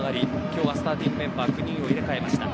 今日はスターティングメンバー９人を入れ替えました。